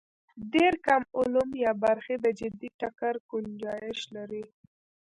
ډېر کم علوم یا برخې د جدي ټکر ګنجایش لري.